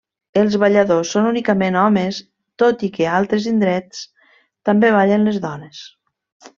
Els balladors són únicament homes tot i que altres indrets també ballen les dones.